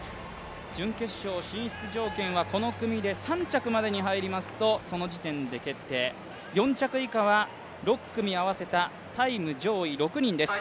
準決勝進出条件はこの組で３着までに入りますとその時点で決定、４着以下は６組合わせたタイム上位６人です。